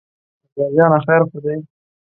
اکبر جانه خیر خو دی.